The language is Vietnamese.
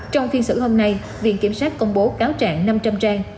trong phiên xử hôm nay viện kiểm sát công bố cáo trạng năm trăm linh trang